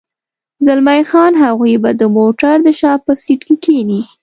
زلمی خان: هغوی به د موټر د شا په سېټ کې کېني.